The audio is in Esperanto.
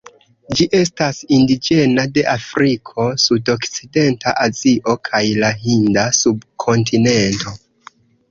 Ĝi estas indiĝena de Afriko, Sudokcidenta Azio, kaj la Hinda subkontinento.